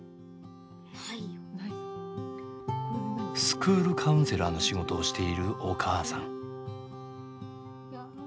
スクールカウンセラーの仕事をしているお母さん。